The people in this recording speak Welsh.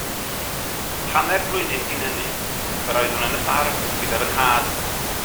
Hanner blwyddyn cyn hynny, yr oeddwn yn y ffarm gyda fy nhad.